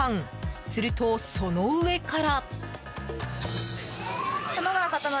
すると、その上から。